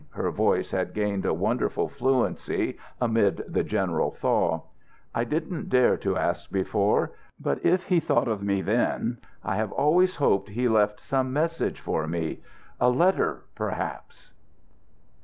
Her voice had gained a wonderful fluency amid the general thaw. "I didn't dare to ask before, but if we thought of me then I have always hoped he left some message for me ... a letter, perhaps."